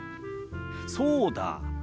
そうだ。